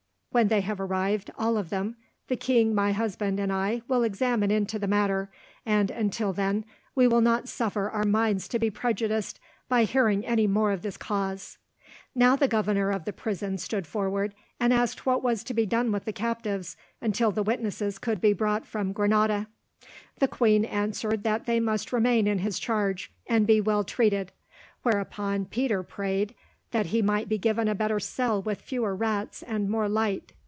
When they have arrived, all of them, the king my husband and I will examine into the matter, and, until then, we will not suffer our minds to be prejudiced by hearing any more of this cause." Now the governor of the prison stood forward, and asked what was to be done with the captives until the witnesses could be brought from Granada. The queen answered that they must remain in his charge, and be well treated, whereon Peter prayed that he might be given a better cell with fewer rats and more light.